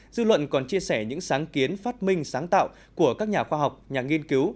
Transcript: dư luận còn chia sẻ những sáng kiến phát minh sáng tạo của các nhà khoa học nhà nghiên cứu